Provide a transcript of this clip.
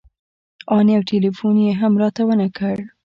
ان يو ټېلفون يې هم راته ونه کړ.